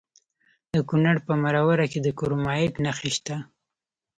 د کونړ په مروره کې د کرومایټ نښې شته.